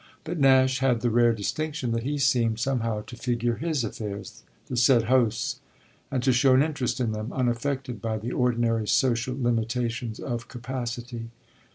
But Nash had the rare distinction that he seemed somehow to figure his affairs, the said host's, and to show an interest in them unaffected by the ordinary social limitations of capacity.